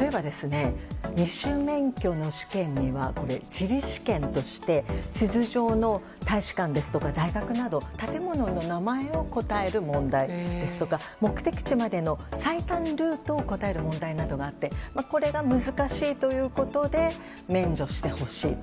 例えば二種免許の試験には地理試験として地図上の大使館ですとか大学など建物の名前を答える問題ですとか目的地までの最短ルートを答える問題などがあってこれが難しいということで免除してほしいと。